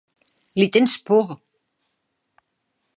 Li tens por!